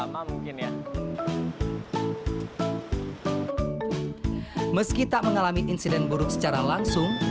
meski tak mengalami insiden buruk secara langsung